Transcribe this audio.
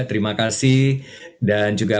terima kasih dan juga